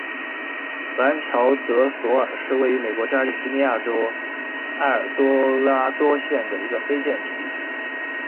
兰乔德索尔是位于美国加利福尼亚州埃尔多拉多县的一个非建制地区。